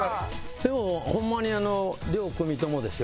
でもホンマに両組ともですよ。